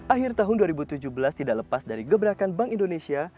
akhir tahun dua ribu tujuh belas tidak lepas dari gebrakan bank indonesia